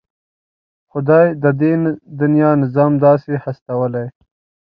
خدای د دې دنيا نظام داسې هستولی.